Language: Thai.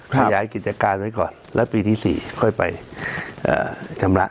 ขยายกิจการไว้ก่อนแล้วปีที่๔ค่อยไปชำระ